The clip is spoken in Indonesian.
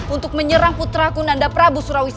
untuk menyerang putra kunanda prabu surawisese